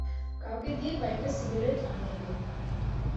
কাউকে দিয়ে কয়েকটা সিগারেট আনিয়ে দিন।